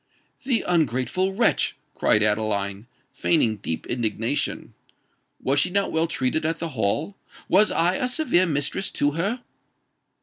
"The ungrateful wretch!" cried Adeline, feigning deep indignation. "Was she not well treated at the Hall? was I a severe mistress to her?"